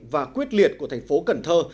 và quyết liệt của thành phố cần thơ